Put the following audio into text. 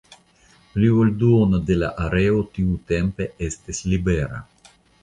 Pli ol duono de la areo tiutempe estis libera.